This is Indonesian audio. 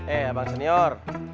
eh bang senior